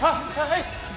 はい！